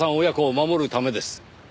親子を守るためです。